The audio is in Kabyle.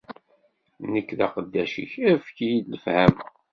Nekk, d aqeddac-ik, efk-iyi-d lefhama.